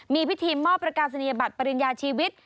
มีพิธีมอบประกาศนียบัตรปริญญาชีวิต